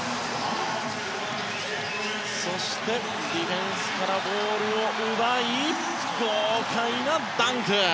そして、ディフェンスからボールを奪い豪快なダンク！